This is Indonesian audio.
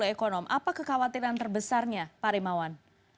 satu ratus delapan puluh ekonom apa kekhawatiran terbesarnya pak rimawan